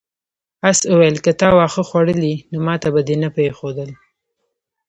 آس وویل که تا واښه خوړلی نو ماته به دې نه پریښودل.